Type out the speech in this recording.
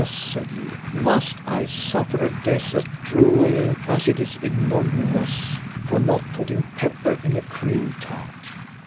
said he, "must I suffer a death as cruel as it is ignominious, for not putting pepper in a cream tart?"